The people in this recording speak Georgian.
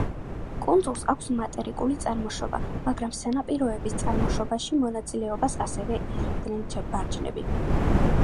კუნძულს აქვს მატერიკული წარმოშობა, მაგრამ სანაპიროების წარმოშობაში მონაწილეობას ასევე იღებდნენ მარჯნები.